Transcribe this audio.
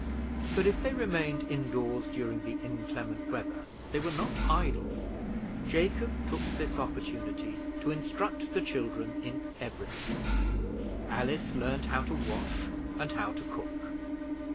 But if they remained in doors during the inclement weather, they were not idle. Jacob took this opportunity to instruct the children in every thing. Alice learned how to wash and how to cook.